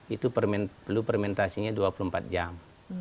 itu perlu fermentasinya dua puluh empat jam